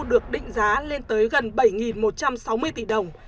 được định giá lên tới gần bảy một trăm sáu mươi tỷ đồng